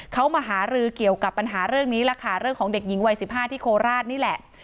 เขามาหารือเกี่ยวกับปัญหาเรื่องนี้แหละค่ะเรื่องของเด็กหญิงวัย๑๕ที่โคราชนี่แหละ